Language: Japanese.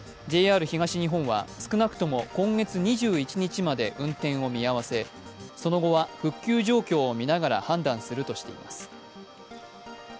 ＪＲ東日本は少なくとも今月２１日まで運転を見合わせ、その後は復旧状況を見ながら判断するとしています。